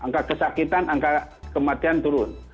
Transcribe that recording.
angka kesakitan angka kematian turun